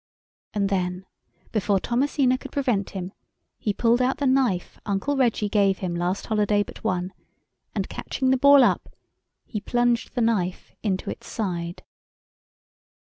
And then, before Thomasina could prevent him, he pulled out the knife Uncle Reggy gave him last holiday but one, and catching the Ball up, he plunged the knife into its side.